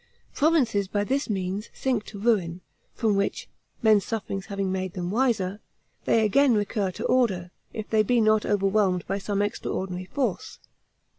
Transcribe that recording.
Provinces by this means sink to ruin, from which, men's sufferings having made them wiser, they again recur to order, if they be not overwhelmed by some extraordinary force.